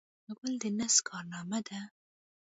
غول د نس کارنامه ده.